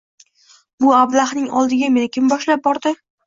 «Bu ablahning oldiga meni kim boshlab bordi?